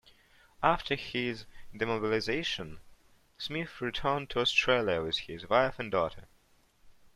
After his demobilisation, Smith returned to Australia with his wife and daughter.